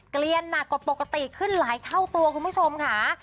เกลียนหนักกว่าปกติขึ้นหลายเท่าตัวคุณผู้ชมค่ะ